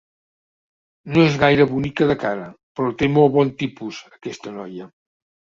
No és gaire bonica de cara, però té molt bon tipus, aquesta noia.